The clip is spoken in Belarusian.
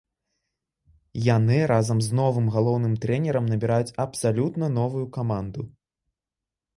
Яны разам з новым галоўным трэнерам набіраюць абсалютна новую каманду.